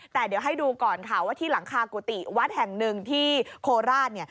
แต่เดี๋ยวให้ดูก่อนค่ะว่าที่หลังคากุฏิวัดแห่งหนึ่งที่โคราช